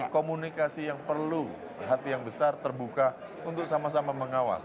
komunikasi yang perlu hati yang besar terbuka untuk sama sama mengawas